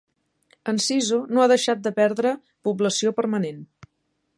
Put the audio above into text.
Enciso no ha deixat de perdre població permanent.